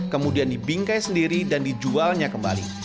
kemudian dibingkai sendiri dan dijualnya kembali